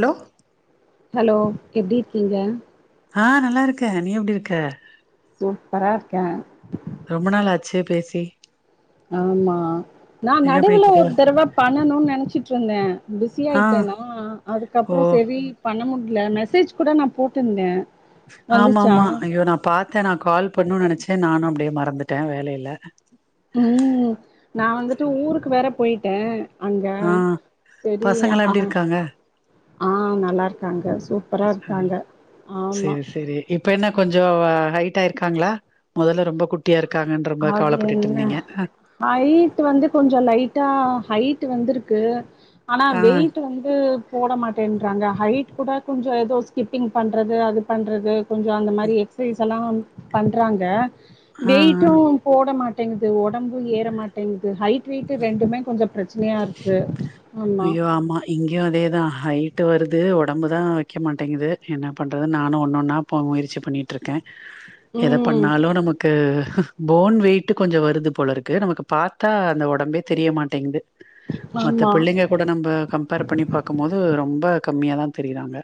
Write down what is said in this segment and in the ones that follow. Low hello எப்டி இருக்கீங்க ஆ நல்லாருக்கே நீ எப்டி இருக்க சூப்பரா இருக்கே ரொம்ப நாள் ஆச்சே பேசி ஆமா நா என்ன பண்ணிட்டு நடுவுல இருக்க ஒரு தரவா பண்ணணுனு நெனச்சிட்ருந்தே பிஸி ஆ ஆய்ட்டே ஓ அதுக்கப்றோ செரி பண்ண முட்ல மெசேஜ் குட நா போட்ருந்தே ஆமா ஆமா ஐயோ நா பாத்தே நா கால் பண்ணு நெனச்சே நானு அப்டியே மறந்துட்டே வேலைல ம் நா வந்துட்டு ஊருக்கு வேற பொயிட்டே அங்க ஆ செரி பசங்கல்லா எப்டி ஆஹ் இருக்காங்க ஆ நல்லாருக்காங்க செரி செரி இப்ப என்ன கொஞ்சோ ஹைட் டாருக்காங்களா மொதல ரொம்ப குட்டியா இருக் அது இல்ல ஹைட்டு வந்து கொஞ்சோ லைட்டா ஹை டு வந்துருக்கு ஆனா ஆ வெயிட்டு வந்து போட மாட்டேன்றாங்க ஹைட் கூட கொஞ்சோ எதோ ஸ்கிப்பிங் பண்றது அது பண்றது கொஞ்சொ அந்த மாரி எக்சைஸ்லா பண்றாங்க ஆ ட்டு போட மாட்டேங்குது உடம்பு ஏற மாட்டேங்குது ஹைட் வெயிட் ரெண்டுமே கொஞ்ச ப்ர ப்ரச்சனையா இருக்கு ஐய்யோ ஆமா இங்கயு அதேதா ஹைட்டு வருது உடம்பு தா வைக்க மாட்டேங்கது என்ன பண்றதுந் நானு ஒன்னு ஒன்னா போ முயற்சி பண்ணிட்ருக்கே எத ம் பண்ணாலு நமக்கு போன் வெயிட் கொஞ்சொ வருது போல இருக்கு நமக்கு பாத்தா அந்த உடம்பே தெரியமாட்டேங்குது ஆமா [unintelligible] கூட நம்ம கம்பேர் பண்ணி பாக்கும் போது ரொம்ப கம்மியா தா தெரியிறாங்க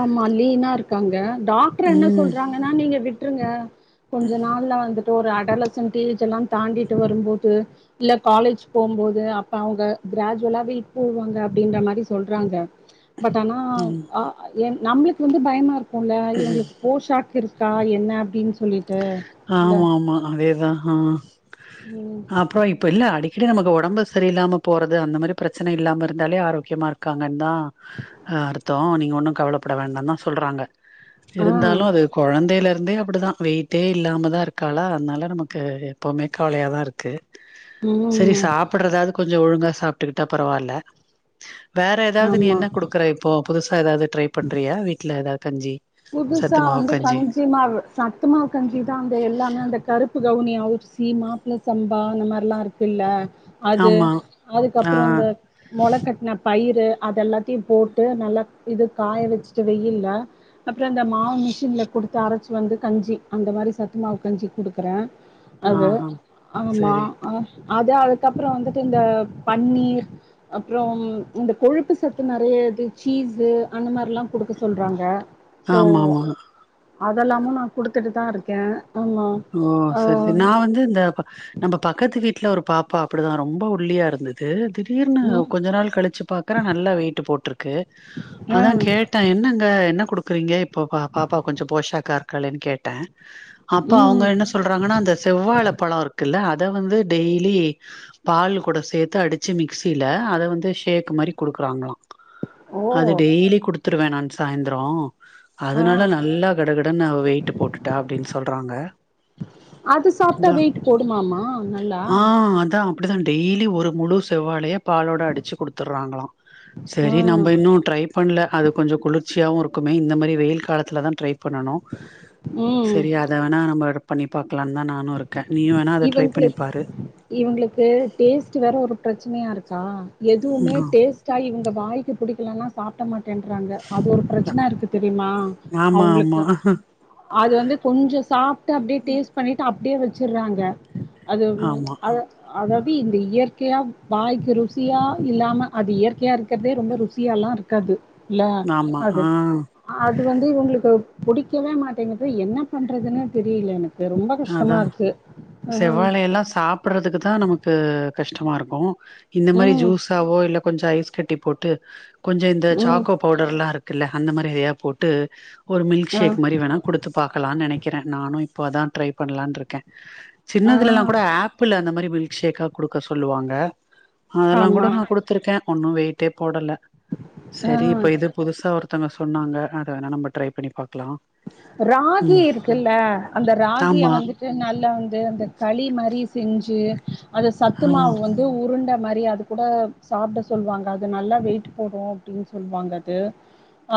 ஆமா லீனா இருக்காங்க டாக்டர் என்ன ம் சொல்றாங்கன்னா நீங்க விட்ருங்க கொஞ்ச நாள்ல வந்து ஒரு அடலசன்ட் ஏஜெல்லா தாண்டிட்டு வரும்போது இல்ல காலேஜ் போம்போது அப்ப அவுங்க கிராஜுவலா வெயிட் போடுவாங்க அப்டின்ற மாரி சொல்றாங்க பட் ஆனா ஆமா எ நம்மளுக்கு வந்து பயமா இருக்குல இவுங்களுக்கு போஷாக் இருக்கா என்ன அப்டின்னு சொல்லிட் ஆமா ஆமா அதேதா ஆ ம் அப்றோ இப்ப இல்ல அடி கடி நமக்கு உடம்பு சரியில்லாம போறது அந்த மாரி பிரச்சன இல்லாம இருந்தாலே ஆரோக்கியமா இருக்காங்கன் தா அ அர்த்தோ நீங்க ஒன்னு கவலப்பட வேண்டாந் தா சொல்றாங்க ஆ இருந்தாலு அது கொழந்தேல இருந்தே அப்டி தா வெயிட்டே இல்லாம தா இருக்காளா அதுனால நமக்கு எப்போமே கவலயா தா இருக்கு சரி ம் சாப்பட்றாதாது கொஞ்சொ ஒழுங்கா சாப்ட்டுக்கிட்டா பரவால்ல வேற ஏதாவது நீ ஆமா என்ன குடுக்குற இப்போ புதுசா ஏதாவது ட்ரை பண்றியா வீட்ல ஏதாவது கஞ்சி புதுசா சத்துமாவு வந்து கஞ்சி கஞ்சிமாவு சத்துமாவு கஞ்சி தா அந்த எல்லாமே அந்த கருப்பு கவுனி அரிசி மாப்பிள சம்பா அந்த மாரிலா இருக்குல்ல அது ஆமா ஆ அதுக்கப்பறோ இந்த மொள கட்ன பயிர் ரு அது எல்லாத்தயு போட்டு நல்லா இது காய வச்சுட்டு வெயில்ல அப்பற இந்த மாவு மிஷின்ல குடுத்து அரச்சு வந்து கஞ்சி அந்த மாரி சத்து மாவு கஞ்சி குடுக்குறே அது ஆஹா ஆமா சரி ஆ அது அதுக்கப்பறோ வந்துட்டு இந்த பன்னீர் அப்பறோம் இந்த கொழுப்பு சத்து நெறைய இது சீஸ்ஸு அந்த மாரிலா குடுக்க சொல்றாங்க ஆமா ஆமா அதல்லாமு நா குடுத்துட்டு தா இருக்கே ஆமா ஓ ஆ சரி சரி நா வந்து இந்த ப நம்ம பக்கத்து வீட்ல ஒரு பாப்பா அப்டிதா ரொம்ப ஒல்லியா இருந்தது திடீ தீடீர்னு ம் கொஞ்ச நாள் கழுச்சு பாக்குறே நல்லா வெய்ட்டு போட்ருக்கு ஆ அதா கேட்டே என்னங்க என்ன குடுக்குறீங்க இப்போ பா பாப்பா கொஞ்ச போஷாக்கா இருக்காளேன்னு கேட்டே இப்ப அவுங்க ம் என்ன சொல்றாங்கன்னா அந்த செவ்வாழ பழொ இருக்குல்ல அ அத வந்து டெய்லி பால் கூட சேத்து அடுச்சு மிக்சில அத வந்து ஷேக் மாரி குடுக் றாங்ளா ஓ அது டெய்லி குடுத்துருவே நான் சாய்ந்ரோ ஆ அதுனால நல்லா கடகடனு அவ வெயிட்டு போட்டுட்டா அப்டின் சொல் றாங்க அது சாப்ட்டா அதா வெயிட் போடுமாமா நல்லா ஆ அதா அப்டிதா டெய்லி ஒரு முழு செவ்வாலய பாலோட அடுச்சு குடுத்துற்றாங்களா சரி ஆ நம்ப இன்னு ட்ரை பண்ணல அது கொஞ்சொ குளுர் சியா இருக்குமே இந்த மாரி வெயில் காலத்துல தா ட்ரை பண்ணணு ம் சரியா நம்ப பண்ணி பாக்கலான் தா நானு இருக்கே நீயு வேணா அத ட்ரை பண்ணிப்பாரு இவுங்களுக்கு டேஸ்ட் வேற ஒரு ப்ரச்சனையா இருக் கா எதுவுமே ம் ஆ. டேஸ்ட்டா இவுங்க வாய்க்கு புடிக்கலனா சாப்ட மாட் டேன்றாங்க அது ஒரு ப்ரச்சன இருக்கு தெரிமா ஆமா ஆமா அவுங்களுக்கு அது வந்து கொஞ்சொ சாப்ட்டு அப்டியே டேஸ்ட் பண்ணிட்டு அப்டியே வச்சுற்றாங்க அது ஆமா அது அத இ இந்த இயற்கையா வாய்க்கு ருசியா இல்லாம அது இயற்கையா இருக்கறதே ரொம்ப ருசியால்லா இருக்காது இல்ல ஆமா அது ஆ அது வந்து இவுங்ளுக்கு புடிக்கவே மாட்டேங்குது என்ன பண்றதுன்னு தெரில எனக்கு ரொம்ப கஷ்டமா அதா இருக்கு செவ்வாழை எல்லா சாப்புறதுக்கு தா நமக்கு கஷ்டமா இருக்கு இந்த மாரி ம் ஜூஸாவோ இல்ல கொஞ்சோ ஐஸ் கட்டி போட்டு கொஞ்சோ இந்த ம் சாக்கோ பவுடர்லாருக் குல அந்த மாரி எதையா போட்டு ஒரு மில்க் ஆ ஷேக் மரி வேணா குடுத்து பாக்கலான் நெனைக்குறே நானு ப்பதா ட்ரை பண்ணலான் ருக்கே ஆ சின்னதுலலா கூட ஆப்பிள் அந்த மாரி மில்க்ஷேக்கா குடுக்க சொல்லுவாங்க அதெல்லா கூட ஆமா நா குடுத்துருக்கே ஒன்னு வெயிட்டே போடல ஆ சரி இப்ப இது புதுசா ஒருத்தங்க சொன்னாங்க அத வேணா நம்ம ட்ரை பண்ணி பாப் ராகி இருக்குல்ல அந்த ராகி கிய ஆமா வந்துட்டு நல்லா வந்து அந்த களி மரி செஞ்சு அது ஆ சத்துமாவு வந்து உருண்ட அ மாரி அது கூட சாப்ட சொல்லுவாங்க அது நல்லா வெயிட் போடு அப்டின் சொல்வாங்க அது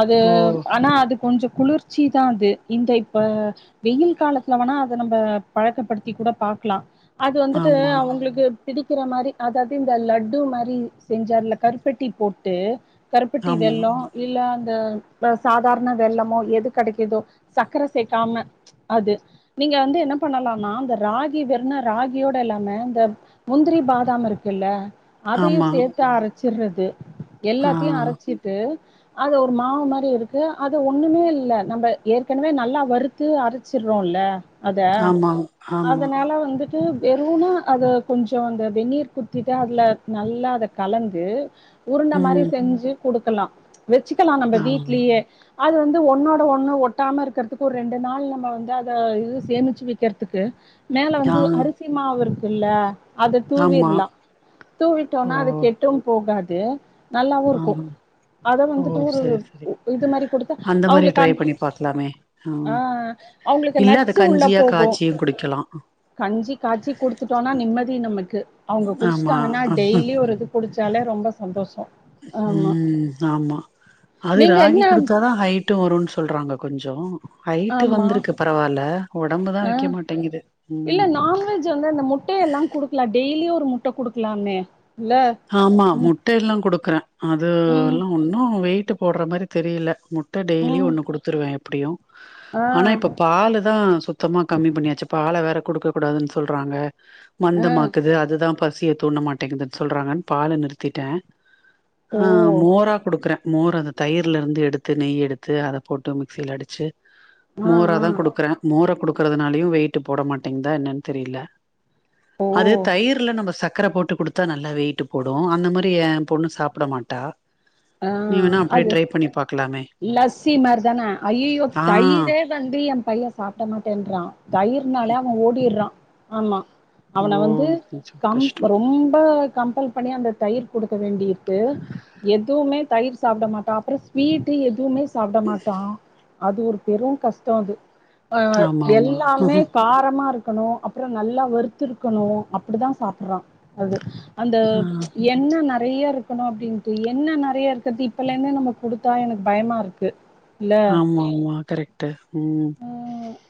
அது ஓ ஆனா அது கொஞ்சோ குளிர்ச் ச்சி தா அது இந்த இப்ப வெயில் காலத்துல வேணா அத நம்ப பழக்கப்படுத்தி கூட பாக்லா அது வந்துட்டு ஆமா அவுங்ளுக்கு பிடிக்கிற மாரி அதாது இந்த லட்டு மாரி செஞ்சு அதுல கருப்பட்டி போட்டு கருப்பட்டி ஆமா வெள்ளோ இல்ல அந்த சாதாரண வெள்ளமோ எது கடைக்குதோ சக்கர சேக்காம அது நீங்க வந்து என்ன பண்ணலானா அந்த ராகி வெர்ண ராகியோட இல்லாம இந்த முந்திரி பாதாம் இருக்குல்ல அதையு ஆமா சேத்து அரைச்சிர்றது ஆ எல்லாத்தையு அரைச்சிட்டு அது ஒரு மாவு மாரி இருக்கு அது ஒன்னுமே இல்ல நம்ம ஏற்கனவே நல்லா வறுத்து அரைச்சிர்றோல அத ஆமா ஆமா அதனால வந்து து வெறுனா அத கொஞ்சோ அந்த வெந்நீர் குத்தி ட்டா அதுல நல்லா அத கலந்து உருண்ட மாரி ம் செஞ்சு குடுக்கலா வெச்சுக்கலா நம்ம ஆமா வீட்லியே அது வந்து ஒன்னோட ஒண்ணு ஒட்டாம இருக்கர்த்துக்கு ஒரு ரெண்டு நாள் நம்ம வந்து அத இது சேமிச்சு வைக்கர்த்துக்கு மேல ஆ வந்து அரிசிமாவுருக்குல்ல அத ஆமா தூவிர்லா ஓ தூவிட்டோனா அது கெட்டு போகாது நல்லாவுருக்கு ஆமா அத ஓ வந்துட்டு ஒரு சரி சரி இது மரி குடுத்தா அந்த மாரி அவுங்குளுக் ட்ரை பண்ணி பாக்கலாமே ஆ அவுங்குளுக்கு இல்ல அது நட்ஷூ உள்ள கஞ்சியா போகு காய்ச்சியு குடிக்கலா கஞ்சி காய்ச்சி குடுத்துட்டோனா நிம்மதி நமக்கு அவுங்க ஆமா குடிச்ட்டாங்னா டெய்லி ஒரு இது குடிச்சாலே ரொம்ப சந்தோஷோ ஆமா ம் ஆமா அது நீங்க ராகி என்ன குடுத்தாதா ஹைட்டு வருன் சொல்றாங்க கொஞ்சோ ஹைட்டு ஆமா வந்துருக்கு பரவால்ல ஒடம்புதா ஆ வைக்க மாட்டேங்குது மே எல்லா குடுக்கலா டெய்லியு ஒரு முட்ட குடுக்லாமே ஆமா முட்ட எல்லா குடுக்குறே அது ம் எல்லா ஒன்னு வெயிட் ட்டு போர்ற மாரி தெரில முட்ட டெய்லி ம் ஒன்னு குடுத்துருவே எப்டியு ஆ ஆனா இப்ப பாலுதா சுத்தமா கம்மி பண்ணியாச்சு பால வேற குடுக்க கூடாதுன் சொல்றாங்க ஆ மந்தமாக்குது அதுதா பசிய தூண மாட்டேங்குதுன் சொல்றாங்கன் பால நிறுத்திட்டே ஓ ஆ மோரா குடுக்குறே மோர் அந்த தயிர்லருந்து எடுத்து நெய் எடுத்து அத போட்டு மிக்சில அடிச்சு ஆ மோரா ஆ தா குடுக்குறே மோர குடுக்குறதுனாலயு வெயிட்டு போட மாட்டங்கதா என்னன் தெரில அது ஓ தயிர்ல நம்ம சக்கர போட்டு குடுத் த்தா நல்லா வெயிட்டு போடு அந்த மாரி ஏ பொண்ணு சாப்ட மாட்டா ஆ நீ வேணா அப்டி அது ட்ரை பண்ணி பா லஸ்ஸி மாரிதான ஐயோயோ ஆ தயிரே வந்து ஏ பையன் சாப்ட மாட்டேன்றா தயிர்னாலே அவ ஓடிர்றா ஆமா ஓ அவன வந்து கொஞ்சோ கம் கஷ்டோ ரொம்ப கம்பல் பண்ணி அந்த தயிர் குடுக்க வேண்டிருக்கு எது எதுவுமே தயிர் சாப்ட மாட்டான் அப்புறோ ஸ்வீட்டு எதுவுமே சாப்ட மாட்டான் அது ஒரு பெருங்கஷ்டம் அது அ ஆமா ஆமா எல்லாமே காரமா இருக்கு இருக்கணும் அப்புறொ நல்லா வறுத்து இருக்கணும் அப்படிதா சாப்படுறான் அது அந்த ஆ எண்ணெ நெறைய இருக்கணும் அப்படின்ட்டு எண்ணெ நெறைய இருக்கறது இப்பல இருந்தே நம்ம கொடு த்தா எனக்கு பயமா இருக்கு இல்ல ஆமா ஆமா கரெக்ட் ம்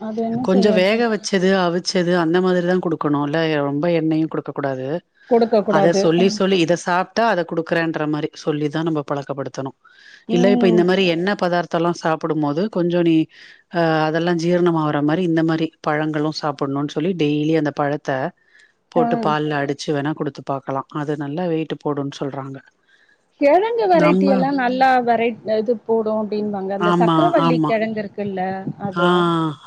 அது என்ன கொஞ்சொ செய்யறது வேக வச்சது அவிச்சது அந்த மாதிரிதான் கொடுக் கணும் இல்ல ரொம்ப எண்ணெயும் கொடுக்க கூடாது கொடுக்க அத கூடாது சொல்லி சொல்லி இத சாப் டா அத குடுக்குறன்ற மாதிரி சொல்லி தான் நம்ம பழக்கப்படுத்தணும் இல்ல இப்ப ம் இந்த மாதிரி எண்ண பதார் த்தலா சாப்டும் போது கொஞ்சோ நீ அ அதெல்லாம் ஜீரணம் ஆகற மாதிரி இந்த மாதிரி பழங்களும் சாப்பு னு சொல்லி டெய்லி அந்த பழத்த ஆ போட்டு பால்ல அடிச்சு வேணா கொடுத்து பாக்கலா அது நல்லா வெயிட்டு போடுன்னு சொல்றாங்க கிழங்கு வெரைட்டி நம்ம எல்லா நல்லா வெரை இது போடும் அப்டி அப்டிம்பாங்க அந்த ஆமா சக்கரவள்ளி ஆமா கிழங்கு இருக்குல்ல ஆ அது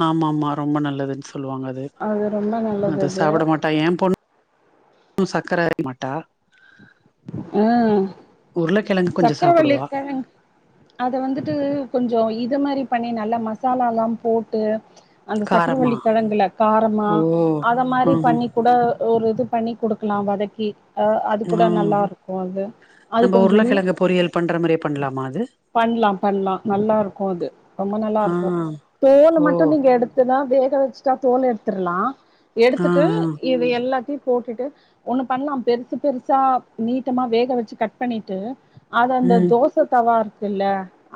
ஆமாமா ரொம்ப நல்லதுன்னு சொல்லுவாங்க அது ரொம்ப நல்லது அத அது சாப்ட மாட்ட ஏன் பொண்ணு ம் சர்க்கரை அரை [unintelligible] மாட்டா ஆ உருளைக்கிழங்கு கொஞ்சோ சாப்டுவா சக்கரவள்ளிக்கிழங்க் அத வந்துட்டு கொஞ்சம் இ ந்த மாதிரி பண்ணி நல்ல மசாலல்லா போட்டு அந்த காரமா சக்கரவள்ளிக்கிழங்குல காரமா ஓ அத மாரி ம் பண்ணி கூட ஒரு இது பண்ணி குடுக்கலாம் வதக்கி அ அதுகூட நல்லா இருக்கு அது அது அந்த கொஞ்சோ உருளைக்கிழங்க பொறியல் பண்ற மாரியே பண்லாமா அது பண்லாம் பண்லாம் நல்லா இருக்கும் அது ரொம்ப ஆ நல்லாருக்கும் தோலு ஓ மட்டும் நீங்க எடுத்துதா வேக வச்சுட்டா தோல் எடுத்துர்லாம் ஆ எடுத்துட்டு ஆ இது எல்லாத்தியு போட்டுட்டு ஒண்ணு பண்லாம் பெருசு பெருசா நீட்டமா வேக வச்சு கட் பண்ணிட்டு அது அந்த ம் தோச தவா இருக்குல்ல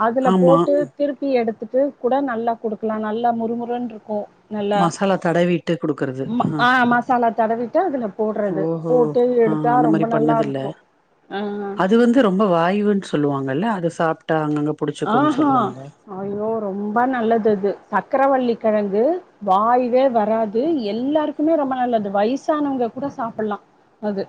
அதுல ஆமா போட்டு திருப்பி எடுத் [unintelligible] கூட நல்லா குடுக்கலாம் நல்லா முறுமுருன்ருக்கும் நல்ல மசாலா தடவிட்டு குடுக்கறது ம்ம ஆ மசாலா தடவிட்டா அதுல போட்றது போட்டு எடுத்தா ரொம் பண்ணதுல அது வந்து ரொம்ப வாய்வுன்னு சொல்லுவாங்கல்ல அது சாப்ட்டா அங்கங்க ஆ புடிச்சுக்குன்னு ஹா சொல்லுவாங்க ஐய்யோ ரொம்ப நல்லது இது சக்கரவள்ளி கிழங்கு வாய்வே வராது எல்லாருக்குமே ரொம்பனல்லது வயிசானவங்க கூட சாப்லா அது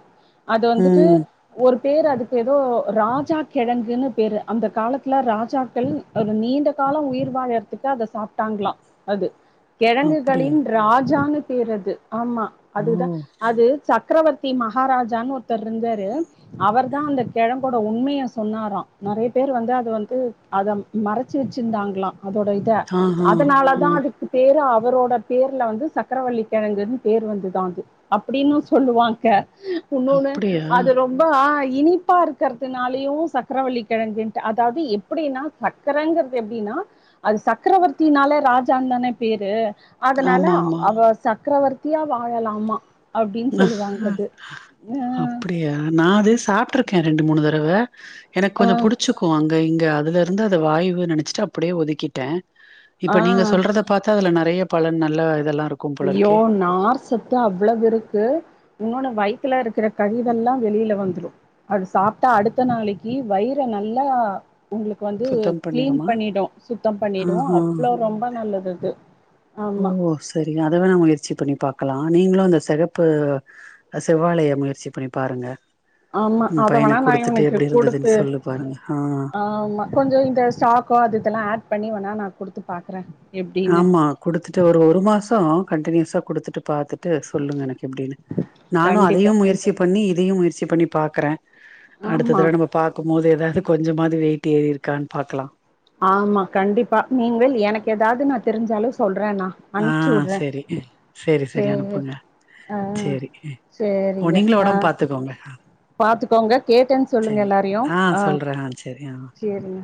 அது வந்துட்டு ம் ஒரு பேரு அதுக்கேதோ ராஜாக்கிழங்குன்னு பேரு அந்த காலத் துல ராஜாக்கள் ஒரு நீண்ட காலம் உயிர் வாழற்துக்கு அத சாப்ட்டாங்களாம் அது அப்டியா கெழங்குகளின் ராஜானு பேரது ஆமா அதுதா ஓ அது சக்கரவர் த்தி மகாராஜான்னு ஒருத்தர் ருந்தாரு அவர் தா அந்த கிழம் கூட உண்மைய சொன்னாராம் நெறைய பேர் வந்து அது வந்து அத மறச்சுவச்சிருந்தாங்களா அதோடயித ஆ ஆ அதனாலதா ஆ அதுக்கு பேரு அவரோட பேர்ல வந்து இவரோட பேர்ல இவரோட பேர்ல வந்து சக்கரவல்லிக்கிழங்குன்னு பேர் வந்துதா அது அப்படின்னு சொல்லுவாங்க இன்னோண்ணு அப்டியா அது ரொம்பாய் இனிப்பா இருக்கிறதுனாலயும் சக்கரவல்லிக்கிழங்குன்ட்டு அ தாவது எப்டின்னா சக்கரங்கிறது எப்டின்னா அது சக்கரவர்த்தினால ராஜான்தான பேரு அதனால ஆமா ஆமா அவ சக்கரவர்த்தியா வாழலாமா அப்டின்னு சொல்லுவாங்க அது அப்டியா நா அது சாப்ட்ருக்கே ரெண்டுமூணு தடவ எனக்கொஞ்சொ புடிச்சிக்கும் அங்க இங்க ய அதுலருந்து அது வாய்வு நெனைச்சிட்டு அப்டியே ஒதுக்கிட்டேன் ஆ இப்ப நீங்க சொல்றத பாத்தா அதுல நெ றைய பலன் நல்ல இதெல்லா இருக்கும் போல ஐயோ இருக்கே நார் சத்து அவ்ளோவிருக்கு இன்னோன்னு வயித்துல இரு க்ற கழிவெல்லா வெளில வந்துறும் அது சாப்ட்டா அடுத்த நாளைக்கு வயிற நல்லா உங்ளுக்கு வந்து சுத்தம் க்ளீன் பண்ணிருமா பண்ணிடு சுத்தம் ஆ பண்ணிடு ஆ அவ்ளோ ரொம்ப நல்லதுது ஓ செரின்னா அதவேணா முயற்சி பண்ணிப்பாக்கலா நீங்களும் அந்த சிகப்பு செவ்வாலய முயற்சி பண்ணிப்பாருங்க ஆமா அதவேணாநா இவனுக்கு இருந்ததுன்னு குடுத்து சொல்லு பாருங்க ஆ ஆமா கொஞ்ச இந்த ஸ்டாக்கோ அதுயிதெல்லா ஆட்பண்ணி வேணா நா குடுத்துப்பாக்குறே ஆமா குடுத்துட்டு ஒரு ஒருமாசோம் கண்டினியூஸா குடுத்துட்டுப்பாத்து இது சொல்லுங்கெனக்கு எப்டின்னு நானும் கண்டிப்பா அதையும் முயற்சி கண்டிப்பா பண்ணி இதையும் முயற்சி பண்ணி பாக்குறே ஆமா அடுத்ததட நம்ம பாக்கும்போது ஏதாது கொஞ்சமாது வெயிட் ஏறிருக்கானு பாக்கலா ஆமா கண்டிப்பா நீங்கள் எனக்கெதாது நா தெரிஞ்சாலு சொல் ர நா ஆ அனுச்சுட்றேன் செரி செரி செரி சேரி அனுப்புங்க ஆ செரி ஓ சேரிங்க நீங்களு அ ஒடம்பு பாத்துக்கோங்க ஆ பாத்துக்கோங்க கேட்டேனு சொல்லுங்க செரி எல்லாரையு ஆ அ சொல்றே ஆ செரி ஆ சேரிங்க